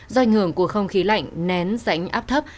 do ảnh hưởng của không khí lạnh nén rãnh áp thấp